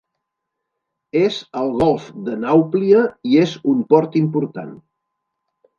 És al golf de Nàuplia i és un port important.